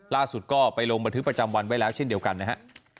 ล่าสุดก็ไปลงบันทึกประจำวันไว้แล้วเช่นเดียวกันนะฮะ